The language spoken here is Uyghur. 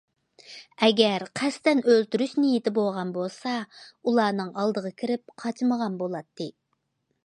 ئەگەر قەستەن ئۆلتۈرۈش نىيىتى بولغان بولسا، ئۇلارنىڭ ئالدىغا كىرىپ قاچمىغان بولاتتى.